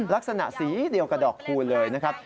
ลักษณะสีเดียวกับดอกคูณเลยนะครับ